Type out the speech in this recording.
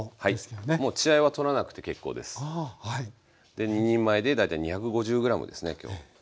で２人前で大体２５０ｇですね今日。